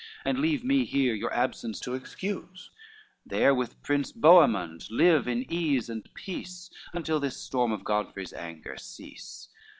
And leave me here your absence to excuse, There with Prince Boemond live in ease and peace, Until this storm of Godfrey's anger cease.